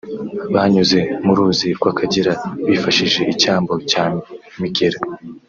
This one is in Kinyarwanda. banyuze mu ruzi rw’Akagera bifashishije icyambu cya Migera